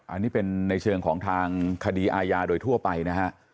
อันนี้เป็นในเชิงของทางคดีอาญาโดยทั่วไปนะฮะ